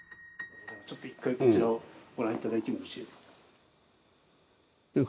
ちょっと一回こちらをご覧いただいてもよろしいですか